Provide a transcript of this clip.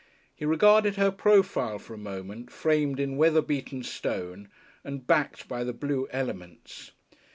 He regarded her profile for a moment, framed in weather beaten stone, and backed by the blue elements.